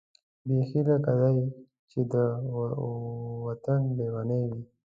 بېخي لکه دای چې د وطن لېونۍ وي.